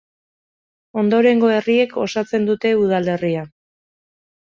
Ondorengo herriek osatzen dute udalerria.